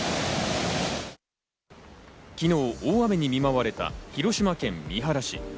昨日、大雨に見舞われた広島県三原市。